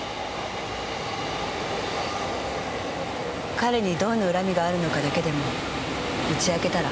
彼にどんな恨みがあるのかだけでも打ち明けたら？